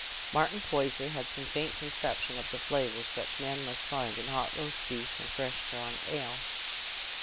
Martin Poyser had some faint conception of the flavour such men must find in hot roast beef and fresh drawn ale.